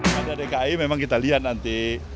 pada dki memang kita lihat nanti